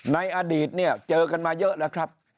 ในอดีตเนี่ยเจอกันมาเยอะแล้วครับ